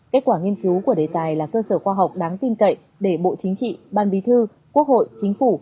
kết quả nghiên cứu của đề tài là cơ sở khoa học đáng tin cậy để bộ chính trị ban bí thư quốc hội chính phủ